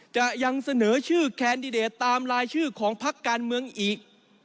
จะยังเสนอชื่อแคนดิเดตตามรายชื่อของพักการเมืองอีก